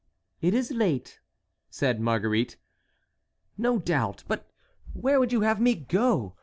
"It is late," said Marguerite. "No doubt; but where would you have me go?